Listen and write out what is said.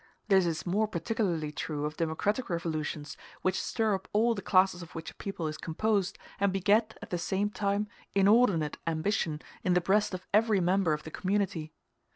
This is more particularly true of democratic revolutions, which stir up all the classes of which a people is composed, and beget, at the same time, inordinate ambition in the breast of every member of the community.